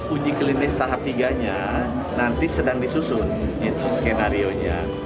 uji klinis tahap tiga nya nanti sedang disusun itu skenario nya